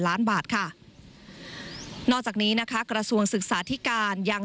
ล้านบาทค่ะนอกจากนี้นะคะกระทรวงศึกษาธิการยัง